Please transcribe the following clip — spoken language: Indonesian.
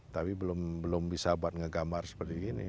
tapi belum bisa buat ngegamar seperti ini